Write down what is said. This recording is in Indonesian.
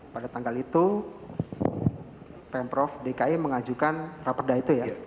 pada tanggal itu pemprov dki mengajukan rapat daidu ya